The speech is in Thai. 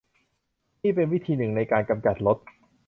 นี่เป็นวิธีหนึ่งในการกำจัดรถ